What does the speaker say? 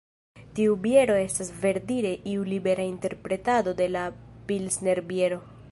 Tiu biero estas verdire iu libera interpretado de la Pilsner-biero.